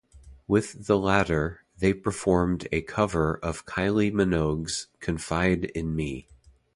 With the latter, they performed a cover of Kylie Minogue's "Confide In Me".